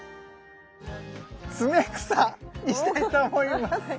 ツメクサにしたいと思います。